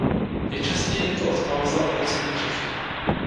Nejčastěji je to odpal za oplocení hřiště.